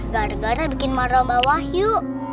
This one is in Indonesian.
gara gara bikin marah mbak wahyu